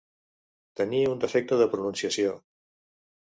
Tenir un defecte de pronunciació.